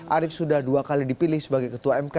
arief sudah dua kali dipilih sebagai ketua mk